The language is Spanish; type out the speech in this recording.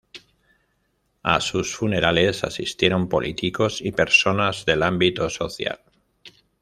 A sus funerales asistieron políticos y personas del ámbito social.